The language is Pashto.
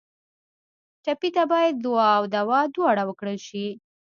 ټپي ته باید دعا او دوا دواړه ورکړل شي.